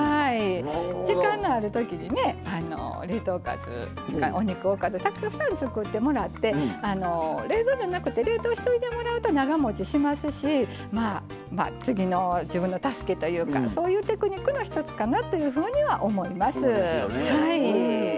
時間のあるときにお肉おかずたくさん作ってもらって冷蔵じゃなくて冷凍しておいてもらうと長もちしますし次の自分の助けというかそういうテクニックの一つかなと思います。